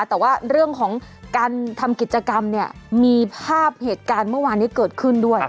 แต่ว่าเรื่องของการทำกิจกรรมเนี่ยมีภาพเหตุการณ์เมื่อวานนี้เกิดขึ้นด้วย